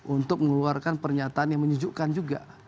untuk mengeluarkan pernyataan yang menyejukkan juga